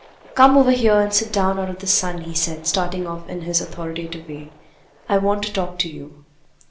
"Come over here and sit down out of the sun," he said, starting off in his authoritative way. "I want to talk to you."